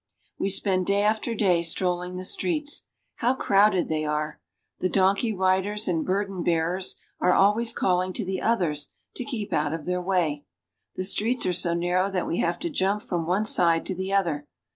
We spend day after day strolling the streets. How crowded they are ! The donkey riders and burden bearers are always calling to the others to keep out of their way. The streets are so narrow that we have to jump from one side to the other.